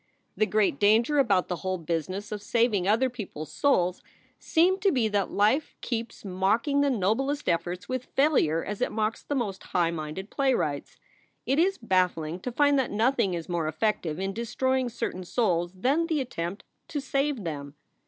The great danger about the whole business of saving other people s souls seems to be that life keeps mocking 8 SOULS FOR SALE the noblest efforts with failure as it mocks the most high minded playwrights. It is baffling to find that nothing is more effective in destroying certain souls than the attempt to save them.